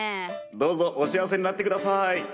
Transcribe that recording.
どうぞお幸せになって下さい。